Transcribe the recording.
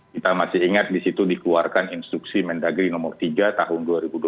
kita masih ingat di situ dikeluarkan instruksi mendagri nomor tiga tahun dua ribu dua puluh